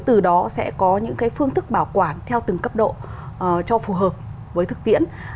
từ đó sẽ có những phương thức bảo quản theo từng cấp độ cho phù hợp với thực tiễn